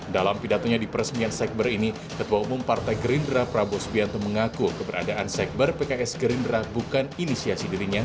dalam pidatonya di peresmian sekber ini ketua umum partai gerindra prabowo subianto mengaku keberadaan sekber pks gerindra bukan inisiasi dirinya